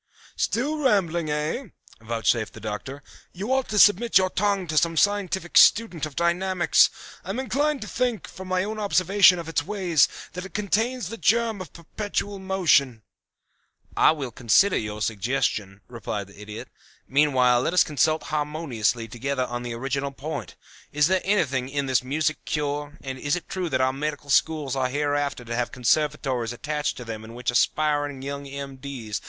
"Still rambling, eh?" vouchsafed the Doctor. "You ought to submit your tongue to some scientific student of dynamics. I am inclined to think, from my own observation of its ways, that it contains the germ of perpetual motion." "I will consider your suggestion," replied the Idiot. "Meanwhile, let us consult harmoniously together on the original point. Is there anything in this music cure, and is it true that our Medical Schools are hereafter to have conservatories attached to them in which aspiring young M.D.'